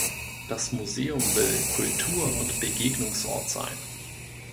Das Museum will Kultur- und Begegnungsort sein.